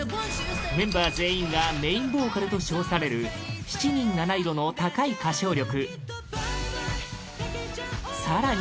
メンバー全員がメインボーカルと称される７人７色の高い歌唱力更に